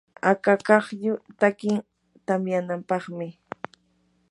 akaklluy takin tamyanampaqmi.